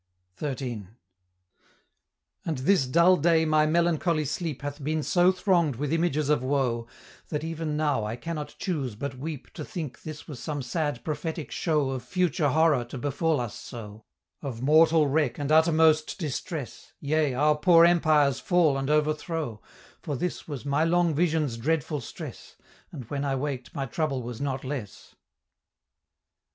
XIII. "And this dull day my melancholy sleep Hath been so thronged with images of woe, That even now I cannot choose but weep To think this was some sad prophetic show Of future horror to befall us so, Of mortal wreck and uttermost distress, Yea, our poor empire's fall and overthrow, For this was my long vision's dreadful stress, And when I waked my trouble was not less."